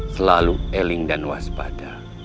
selalu eling dan waspada